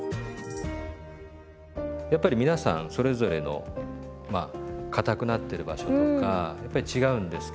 やっぱり皆さんそれぞれのまあかたくなってる場所とかやっぱり違うんですけど。